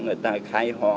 người ta khai hoa